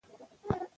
خپل خوب تنظیم کړئ.